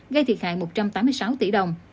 gây thiệt hại một trăm tám mươi sáu tỷ đồng